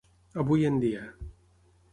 Avui en dia.